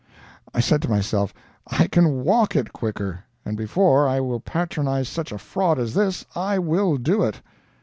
I said to myself, "I can WALK it quicker and before I will patronize such a fraud as this, I will do it."